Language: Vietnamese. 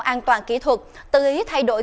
an toàn kỹ thuật tự ý thay đổi